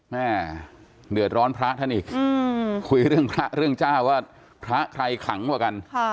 เดือดร้อนพระท่านอีกคุยเรื่องพระเรื่องเจ้าว่าพระใครขังกว่ากัน